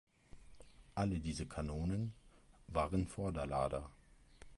Alle diese Kanonen waren Vorderlader.